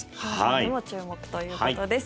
そこも注目ということです。